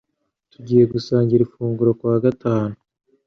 Tugiye gusangira ifunguro kuwa gatanu.